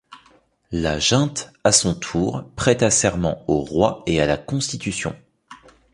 La junte, à son tour, prêta serment au roi et à la Constitution.